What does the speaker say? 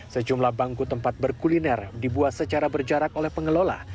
sejumlah bangku tempat berkuliner dibuat secara berjarak oleh pengelola